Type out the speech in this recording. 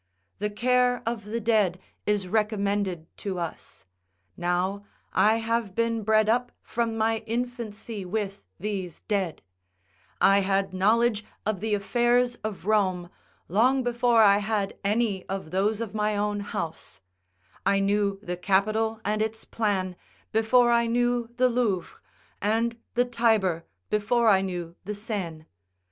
The care of the dead is recommended to us; now, I have been bred up from my infancy with these dead; I had knowledge of the affairs of Rome long before I had any of those of my own house; I knew the Capitol and its plan before I knew the Louvre, and the Tiber before I knew the Seine.